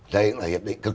đây cũng là hiệp định khác